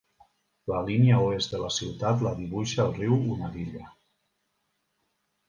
La línia oest de la ciutat la dibuixa el riu Unadilla.